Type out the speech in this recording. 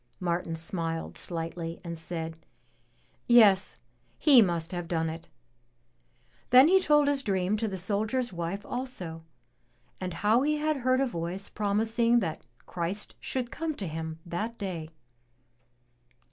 Martin smiled sUghtly and said, "Yes, He must have done it." Then he told his dream to the soldier's wife also, and how he had heard a voice promising that Christ should come to him that day.